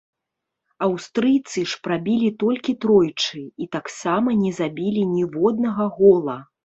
Аўстрыйцы ж прабілі толькі тройчы, і таксама не забілі ніводнага гола.